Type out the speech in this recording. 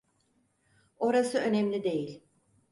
Orası önemli değil.